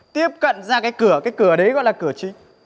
tiếp cận ra cái cửa cái cửa đấy gọi là cửa chính